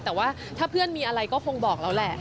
แต่ว่าถ้าเพื่อนมีอะไรก็คงบอกแล้วแหละ